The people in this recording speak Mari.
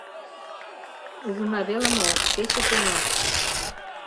Ужына веле мо, шке чытена.